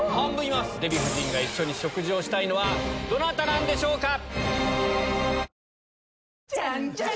デヴィ夫人が一緒に食事したいのはどなたなんでしょうか？